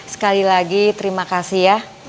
sekali lagi terima kasih ya